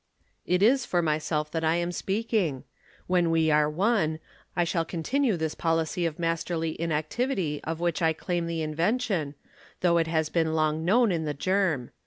"It is for myself that I am speaking. When we are one, I shall continue this policy of masterly inactivity of which I claim the invention, though it has long been known in the germ.